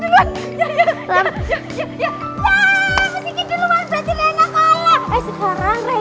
waw aku malah minjodoh aku gak kesana sih